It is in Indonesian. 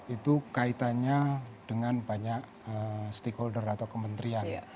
itu kaitannya dengan banyak stakeholder atau kementerian